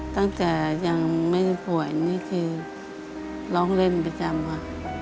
ตั้งแต่ยังไม่ได้ป่วยนี่คือร้องเล่นประจำค่ะ